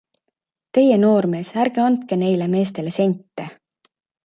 Teie, noormees, ärge andke neile meestele sente!